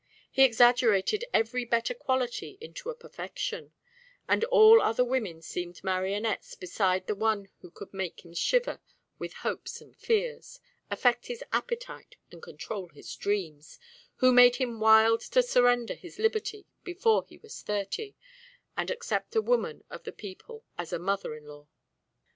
He exaggerated every better quality into a perfection; and all other women seemed marionnettes beside the one who could make him shiver with hopes and fears, affect his appetite, and control his dreams, who made him wild to surrender his liberty before he was thirty, and accept a woman of the people as a mother in law.